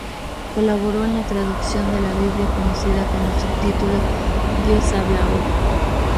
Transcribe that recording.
Colaboró en la traducción de la Biblia conocida con el subtítulo "Dios habla hoy".